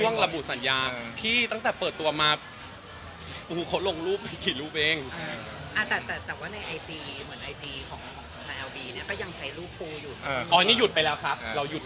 อ่อนี่หยุดไปแล้วครับ